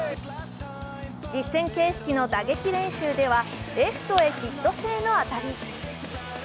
実戦形式の打撃練習ではレフトへヒット性の当たり。